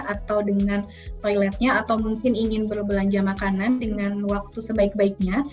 atau dengan toiletnya atau mungkin ingin berbelanja makanan dengan waktu sebaik baiknya